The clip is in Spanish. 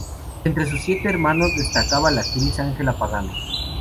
De entre sus siete hermanos destacaba la actriz Angela Pagano.